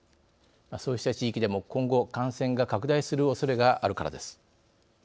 そうした地域でも今後、感染が拡大するおそれがあるからです。